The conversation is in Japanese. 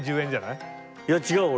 いや違う俺。